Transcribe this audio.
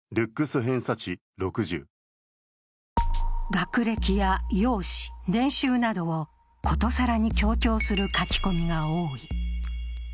学歴や容姿、年収などを殊さらに強調する書き込みが多い。